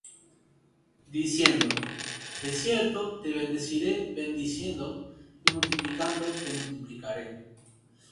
Diciendo: De cierto te bendeciré bendiciendo, y multiplicando te multiplicaré.